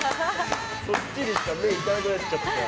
「そっちにしか目いかなくなっちゃったよ」